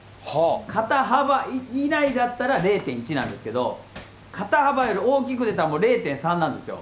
肩幅以内だったら０．１なんですけど、肩幅より大きく出たら、もう０．３なんですよ。